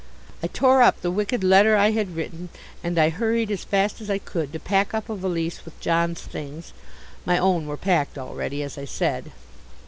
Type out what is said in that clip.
I tore up the wicked letter I had written, and I hurried as fast as I could to pack up a valise with John's things (my own were packed already, as I said).